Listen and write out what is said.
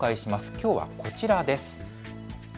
きょうはこちらです。